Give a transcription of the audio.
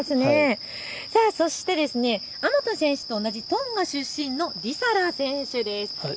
そしてアマト選手と同じトンガ出身のリサラ選手です。